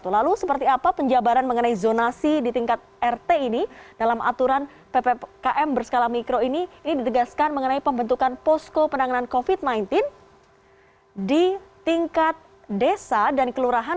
lalu seperti apa penjabaran mengenai zonasi di tingkat rt ini dalam aturan ppkm berskala mikro ini ini ditegaskan mengenai pembentukan posko penanganan covid sembilan belas di tingkat desa dan kelurahan